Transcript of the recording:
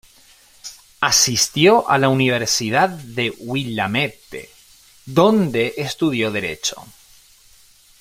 Asistió a Universidad de Willamette, donde estudió Derecho.